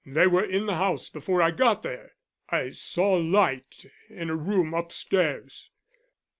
They were in the house before I got there. I saw a light in a room upstairs.